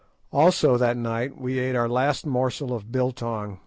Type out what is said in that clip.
Also that night we ate our last morsel of biltong.